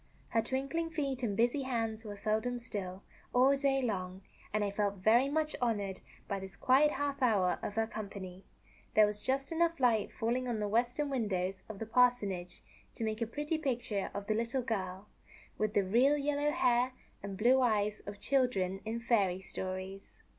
Her twinkling feet and busy hands were seldom still, all day long, and I felt very much honored by this quiet half hour of her company. There was just enough light falling on the western windows of the parsonage to make a pretty picture of the little girl, with the real yellow hair and blue eyes of children in fairy stories.